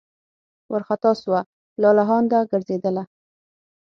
وارخطا سوه لالهانده ګرځېدله